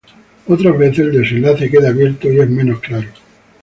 Otras veces el desenlace queda abierto y es menos claro.